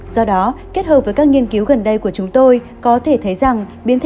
do đó kết hợp với các nghiên cứu gần đây của chúng tôi